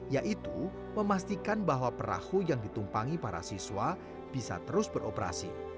yaitu memastikan bahwa perahu yang ditumpangi para siswa bisa terus beroperasi